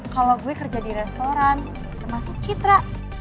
kalau gue kerja di restoran termasuk citra